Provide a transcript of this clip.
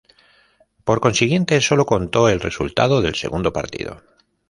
Por consiguiente, sólo contó el resultado del segundo partido.